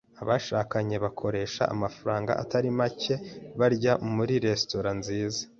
Abashakanye bakoresha amafaranga atari make barya muri resitora nziza.